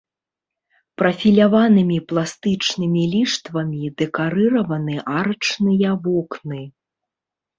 Прафіляванымі пластычнымі ліштвамі дэкарыраваны арачныя вокны.